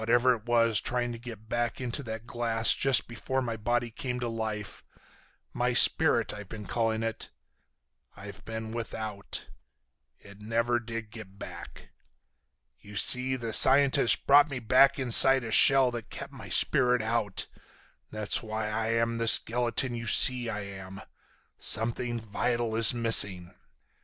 Whatever it was trying to get back into that glass just before my body came to life—my spirit, I've been calling it—I've been without. It never did get back. You see, the scientist brought me back inside a shell that kept my spirit out. That's why I'm the skeleton you see I am. Something vital is missing."